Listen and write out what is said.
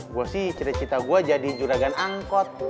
gue sih cita cita gue jadi juragan angkot tuh